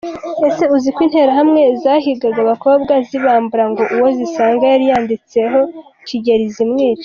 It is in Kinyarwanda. Ese uziko Interahamwe zahigaga abakobwa zibambura ngo uwo zisanga yali yanditseho Kigeli zimwice.